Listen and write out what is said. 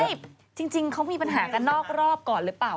นี่จริงเขามีปัญหากันนอกรอบก่อนหรือเปล่า